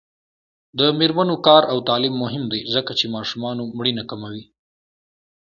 د میرمنو کار او تعلیم مهم دی ځکه چې ماشومانو مړینه کموي.